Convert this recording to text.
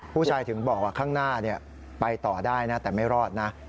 ผู้ชายถึงบอกว่าข้างหน้าไปต่อได้นะแต่ไม่รอดนะ